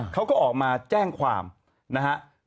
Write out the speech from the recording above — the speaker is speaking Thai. เขาก็ออกมาแจ้งความนะฮะ